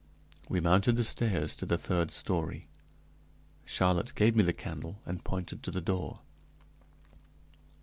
We mounted the stairs to the third story. Charlotte gave me the candle and pointed to the door.